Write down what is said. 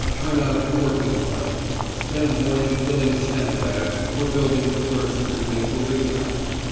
Turn out for working party; spend morning filling sandbags for building traverses in Maple Redoubt.